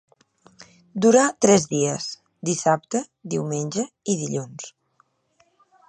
Dura tres dies: dissabte, diumenge i dilluns.